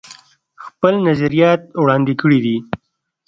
خپل نظريات وړاندې کړي دي